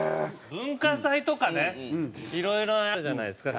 文化祭とかねいろいろあるじゃないですか